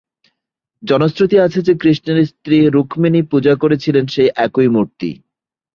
জনশ্রুতি আছে যে, কৃষ্ণের স্ত্রী রুক্মিণী পূজা করেছিলেন সেই একই মূর্তি।